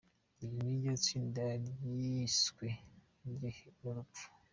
Iri niryo tsinda ryiswe iryo urupfu.